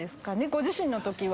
ご自身のときは。